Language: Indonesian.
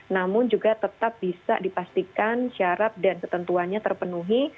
namun juga tetap bisa dipastikan syarat dan ketentuannya terpenuhi